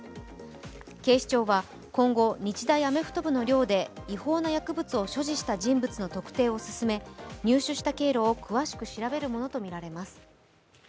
警視庁は今後、日大アメフト部の寮で違法な薬物を所持した人物の特定を進め、入手した経路を詳しく調べるものとみられます。